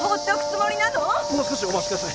もう少しお待ちください。